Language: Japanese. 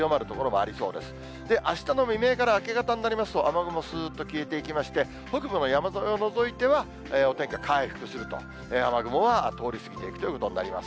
あしたの未明から明け方になりますと、雨雲、すーっと消えていきまして、北部の山沿いを除いては、お天気は回復すると、雨雲は通り過ぎていくということになります。